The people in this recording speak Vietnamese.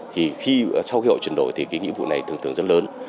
thì sau khi họ chuyển đổi thì cái nghĩa vụ này thường thường rất lớn